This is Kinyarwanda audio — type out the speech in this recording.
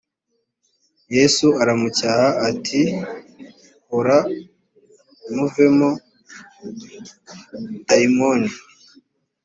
yesu aramucyaha ati hora muvemo dayimoni